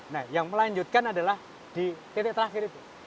nah yang melanjutkan adalah di titik terakhir itu